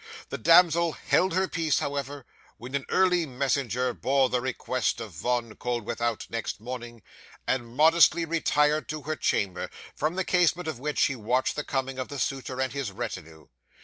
The damsel held her peace, however, when an early messenger bore the request of Von Koeldwethout next morning, and modestly retired to her chamber, from the casement of which she watched the coming of the suitor and his retinue.